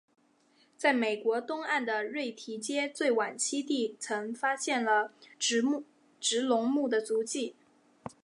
在美国东岸的瑞提阶最晚期地层发现了植龙目的足迹。